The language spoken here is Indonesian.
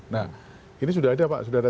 nah ini sudah ada pak sudah ada